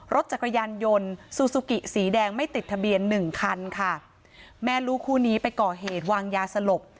รถจักรยานยนต์ซูซูกิสีแดงไม่ติดทะเบียนหนึ่งคันค่ะแม่ลูกคู่นี้ไปก่อเหตุวางยาสลบ